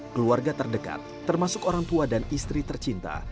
keluarga terdekat termasuk orang tua dan istri tercinta